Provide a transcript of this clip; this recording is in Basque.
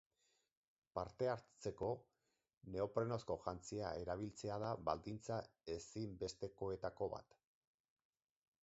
Parte hartzeko, neoprenozko jantzia erabiltzea da baldintza ezinbestekoetako bat.